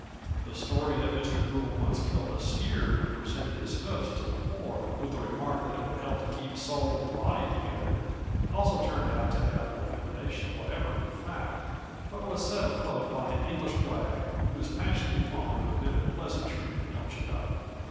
The story that Mr. Gould once killed a steer and presented his hoofs to the poor with the remark that it would help to keep sole and body together, also turned out to have no foundation whatever in fact, but was set afloat by an English wag who was passionately fond of a bit of pleasantry, don't you know.